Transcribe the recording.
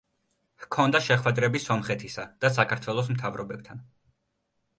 ჰქონდა შეხვედრები სომხეთისა და საქართველოს მთავრობებთან.